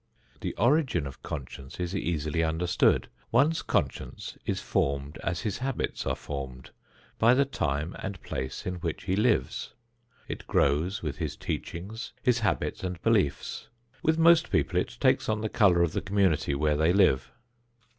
The origin of conscience is easily understood. One's conscience is formed as his habits are formed by the time and place in which he lives; it grows with his teachings, his habits and beliefs. With most people it takes on the color of the community where they live.